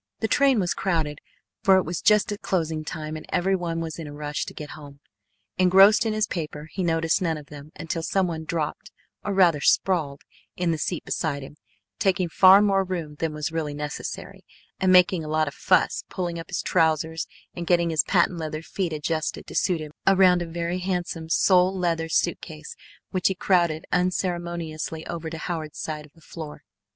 The train was crowded, for it was just at closing time and every one was in a rush to get home. Engrossed in his paper, he noticed none of them until someone dropped, or rather sprawled, in the seat beside him, taking far more room than was really necessary, and making a lot of fuss pulling up his trousers and getting his patent leather feet adjusted to suit him around a very handsome sole leather suitcase which he crowded unceremoniously over to Howard's side of the floor.